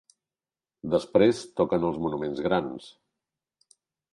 Després, toquen els monuments grans.